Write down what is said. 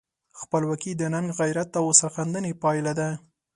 خپلواکي د ننګ، غیرت او سرښندنې پایله ده.